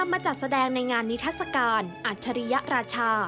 น้ำมันจัดแสดงในงานนิทรัศการอัตเรียรัชชา